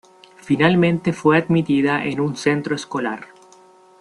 Finalmente fue admitida en un centro escolar.